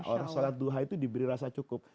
orang sholat duha itu diberi rasa cukup